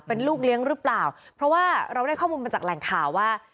เป็นลูกเลี้ยงหรือเปล่าเพราะว่าเราได้ข้อมูลมาจากแหล่งข่าวว่า